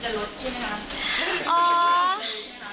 แต่ว่ามีคิดจะลดใช่ไหมคะ